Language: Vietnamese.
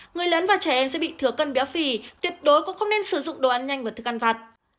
người lớn và trẻ em sẽ bị thừa cân béo phì tuyệt đối cũng không nên sử dụng đồ ăn nhanh và thức ăn vặt